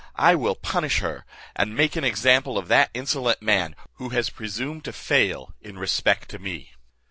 I will punish her, and make an example of that insolent man, who has presumed to fail in respell to me."